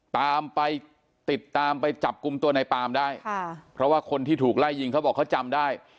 ตามไปติดตามไปจับกลุ่มตัวในปามได้ค่ะเพราะว่าคนที่ถูกไล่ยิงเขาบอกเขาจำได้